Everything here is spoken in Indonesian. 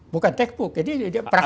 bukan textbook jadi praktek